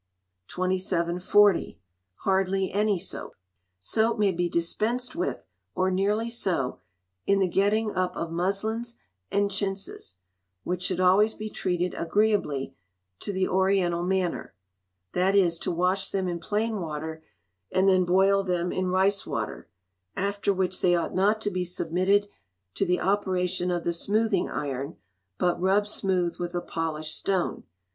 2740. Hardly Any Soap. Soap may be dispensed with, or nearly so, in the getting up of muslins and chintzes, which should always be treated agreeably to the Oriental manner; that is, to wash them in plain water, and then boil them in rice water; after which they ought not to be submitted to the operation of the smoothing iron, but rubbed smooth with a polished stone.